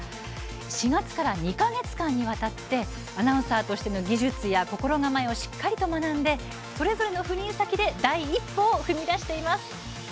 ４月から２か月にわたってアナウンサーとしての技術や心構えをしっかりと学んでそれぞれの赴任先で第一歩を踏み出しています。